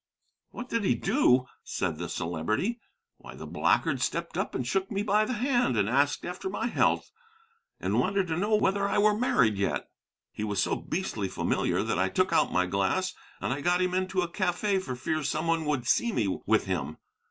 "What did he do?" said the Celebrity; "why, the blackguard stepped up and shook me by the hand, and asked after my health, and wanted to know whether I were married yet. He was so beastly familiar that I took out my glass, and I got him into a cafe for fear some one would see me with him.